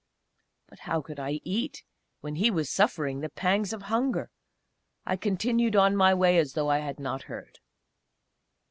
But how could I eat when he was suffering the pangs of hunger? I continued on my way, as though I had not heard.